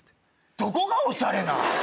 どこがおしゃれなん？